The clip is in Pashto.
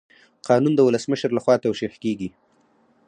قانون د ولسمشر لخوا توشیح کیږي.